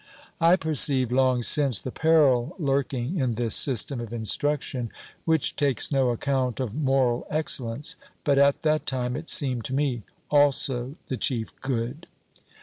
I perceived long since the peril lurking in this system of instruction, which takes no account of moral excellence; but at that time it seemed to me also the chief good.